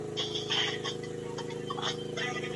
ټولنپوه به تحليل کړی وي.